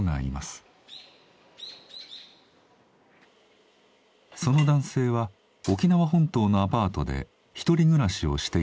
その男性は沖縄本島のアパートで独り暮らしをしていました。